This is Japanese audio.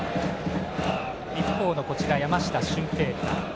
一方の山下舜平大。